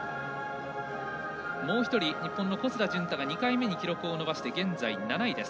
もう１人、日本の小須田潤太が２回目に記録を伸ばして現在７位です。